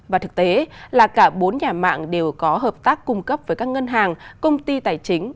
và thực tế là cả bốn nhà mạng đều có hợp tác cung cấp với các ngân hàng công ty tài chính